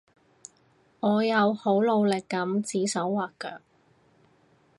我有好努力噉指手劃腳